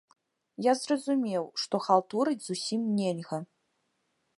Я зразумеў, што халтурыць зусім нельга!